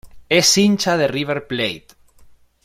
Es hincha de River Plate.